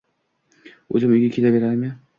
O`zim uyga kelaveraymi